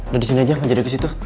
kamu disini aja zuain nov ke situ